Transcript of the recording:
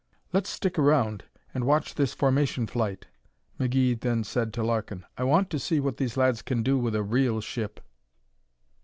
"Let's stick around and watch this formation flight," McGee then said to Larkin. "I want to see what these lads can do with a real ship."